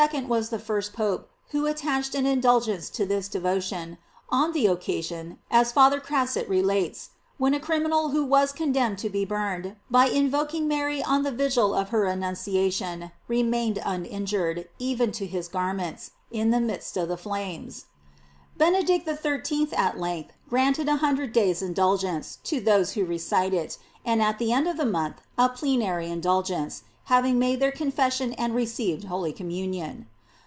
was the first Pope who attached an indulgence to this devotion, on the occasion, as Father Oas eet relates,f when a criminal who was condemn ed to be burned, by invoking Mary on the Vig il of her Annunciation remained uninjured, even to his garments, in the midst of the flames. Benedict XIII. at length granted a hundred days, indulgence to those who recite it, and at the end of the month a plenary indulgence, having made their confession and received holy com munion.